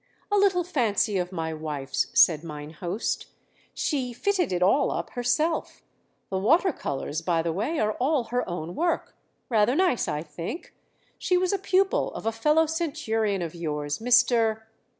"A little fancy of my wife's," said mine host. "She fitted it all up herself. The water colors, by the way, are all her own work. Rather nice, I think. She was a pupil of a fellow Centurion of yours, Mr.